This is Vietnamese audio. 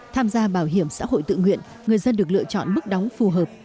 tham gia bảo hiểm xã hội tự nguyện người dân được lựa chọn mức đóng phù hợp